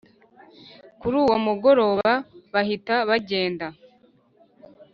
Kuri uwo mugoroba bahita bagenda.